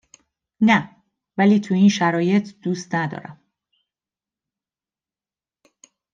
نه، ولی تو این شرایط دوست ندارم